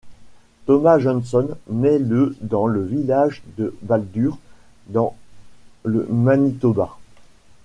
Thomas Johnson naît le dans le village de Baldur dans le Manitoba.